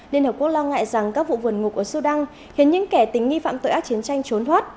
liên hợp quốc lo ngại rằng các vụ vườn ngục ở sudan khiến những kẻ tính nghi phạm tội ác chiến tranh trốn thoát